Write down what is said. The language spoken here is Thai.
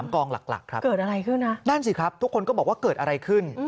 กองหลักครับเกิดอะไรขึ้นนะนั่นสิครับทุกคนก็บอกว่าเกิดอะไรขึ้น